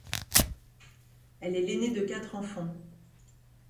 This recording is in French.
Elle est l’aînée de quatre enfants.